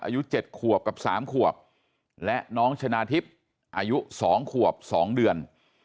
อายุ๗ขวบกับ๓ขวบและน้องชนะทิพย์อายุ๒ขวบ๒เดือน